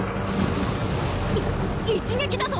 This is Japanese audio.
い一撃だと？